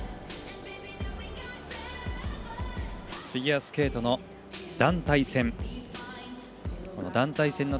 フィギュアスケートの団体戦。